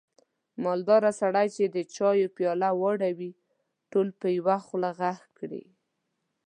مالداره سړی چې د چایو پیاله واړوي، ټول په یوه خوله غږ کړي.